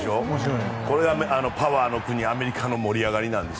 パワーの国アメリカの盛り上がりなんです。